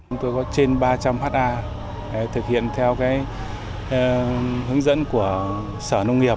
chúng tôi có trên ba trăm linh ha thực hiện theo hướng dẫn của sở nông nghiệp